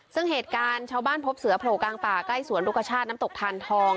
ซึ่งเหตุการณ์ชาวบ้านพบเสือโผล่กลางป่าใกล้สวนลูกชาติน้ำตกทานทอง